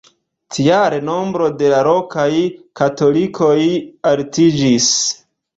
Tial nombro de la lokaj katolikoj altiĝis.